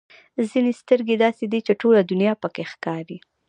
ځینې سترګې داسې دي چې ټوله دنیا پکې ښکاري.